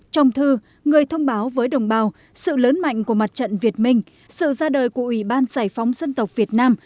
trong thư người thông báo với đồng bào sự lớn mạnh của mặt trận việt minh sự ra đời của ủy ban giải phóng dân tộc việt nam